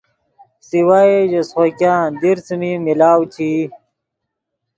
سوائے ژے سیخوګآن دیر څیمی ملاؤ چے ای